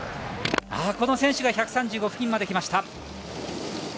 この選手が１３５付近まで来ました。